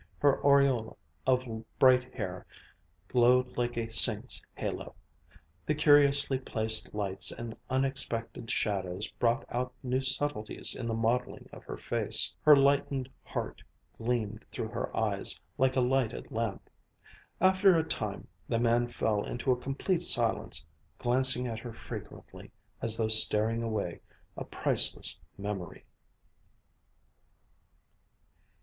Her aureole of bright hair glowed like a saint's halo. The curiously placed lights and unexpected shadows brought out new subtleties in the modeling of her face. Her lightened heart gleamed through her eyes, like a lighted lamp. After a time, the man fell into a complete silence, glancing at her frequently as though storing away a priceless memory....